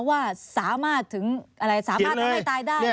ว่าสามารถถึงอะไรสามารถทำให้ตายได้